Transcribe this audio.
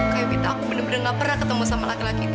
kak evita aku benar benar nggak pernah ketemu sama laki laki itu